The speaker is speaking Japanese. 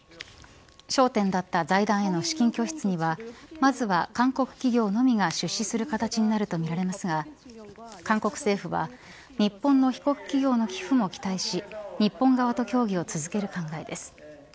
焦点だった財団への資金拠出にはまずは韓国企業のみが出資する形になるとみられますが韓国政府は日本の被告企業の寄付も期待し日本側と協議を続ける考えです。